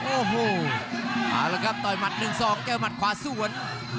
โอ้โหต่อยหมัดหนึ่งสองเจอหมัดขวาสวน